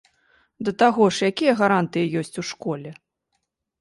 Да таго ж, якія гарантыі ёсць у школе?